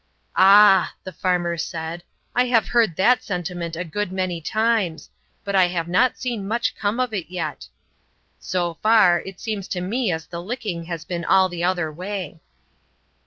"Ah!" the farmer said, "I have heard that sentiment a good many times, but I have not seen much come of it yet. So far, it seems to me as the licking has been all the other way."